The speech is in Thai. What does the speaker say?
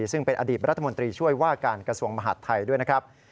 ซึ่งเป็นอดีตรัฐมนตรีช่วยว่าการกระทรวงมหาดไทยด้วยนะครับ